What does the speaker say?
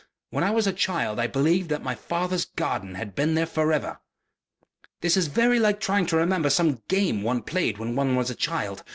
When I was a child I believed that my father's garden had been there for ever.... "This is very like trying to remember some game one played when one was a child.